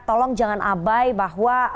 tolong jangan abai bahwa